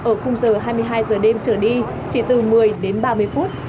ở khung giờ hai mươi hai giờ đêm trở đi chỉ từ một mươi đến ba mươi phút